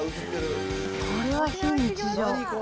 これは非日常。